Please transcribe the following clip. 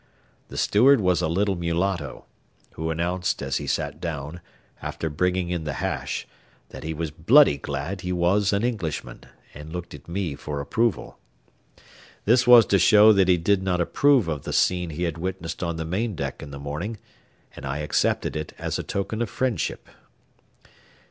The steward was a little mulatto, who announced, as he sat down, after bringing in the hash, that he was bloody glad he was an Englishman, and looked at me for approval. This was to show that he did not approve of the scene he had witnessed on the main deck in the morning, and I accepted it as a token of friendship.